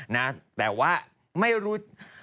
นะแต่ว่าไม่รู้